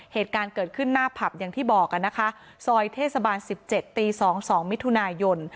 เหตุการณ์เกิดขึ้นหน้าผับอย่างที่บอกนะคะซอยเทศบาล๑๗ตี๒๒มิถุนายน